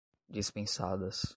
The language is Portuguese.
dispensadas